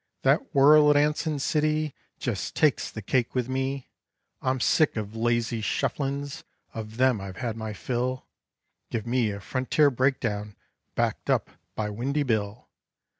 That whirl at Anson City jes takes the cake with me. I'm sick of lazy shufflin's, of them I've had my fill, Give me a frontier break down backed up by Windy Bill.